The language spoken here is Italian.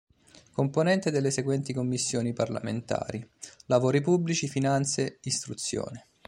Componente delle seguenti commissioni parlamentari: Lavori pubblici; Finanze; Istruzione.